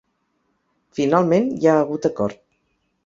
Finalment, hi ha hagut acord.